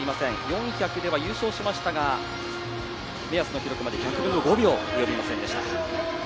４００では優勝しましたが目安の記録まで１００分の５秒及びませんでした。